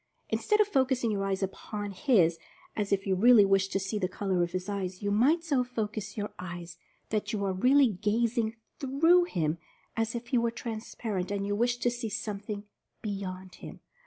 Instead of focusing your eyes upon his, as if you really wished to see the color of his eyes, you must so focus your eyes that you are really gazing through him, as if he were transparent and you wished to see something beyond him.